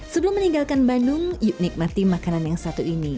sebelum meninggalkan bandung yuk nikmati makanan yang satu ini